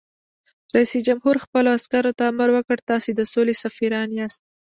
رئیس جمهور خپلو عسکرو ته امر وکړ؛ تاسو د سولې سفیران یاست!